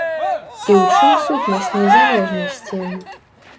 І ў чым сутнасць незалежнасці?